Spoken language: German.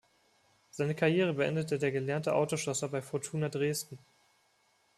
Seine Karriere beendete der gelernte Autoschlosser bei "Fortuna Dresden".